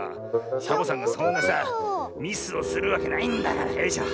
サボさんがそんなさミスをするわけないんだからよいしょ。